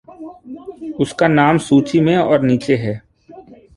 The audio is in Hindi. उसका नाम सूची में और नीचे है।